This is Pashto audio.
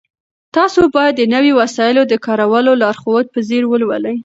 تاسو باید د نويو وسایلو د کارولو لارښود په ځیر ولولئ.